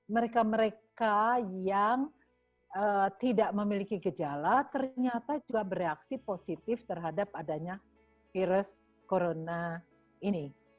mereka mereka yang tidak memiliki gejala ternyata juga bereaksi positif terhadap adanya virus corona ini